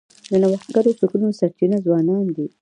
د نوښتګرو فکرونو سرچینه ځوانان دي.